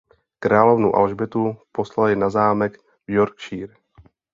Královnu Alžbětu poslali na zámek v Yorkshire.